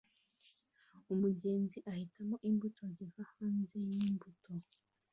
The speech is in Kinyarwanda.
umuguzi ahitamo imbuto ziva hanze yimbuto